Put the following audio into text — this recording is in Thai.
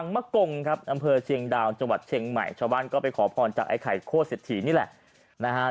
มะกงครับอำเภอเชียงดาวจังหวัดเชียงใหม่ชาวบ้านก็ไปขอพรจากไอ้ไข่โคตรเศรษฐีนี่แหละนะฮะ